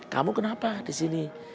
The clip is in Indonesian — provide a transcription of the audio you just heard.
kamu kenapa disini